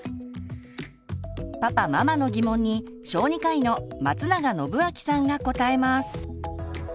パパママの疑問に小児科医の松永展明さんが答えます。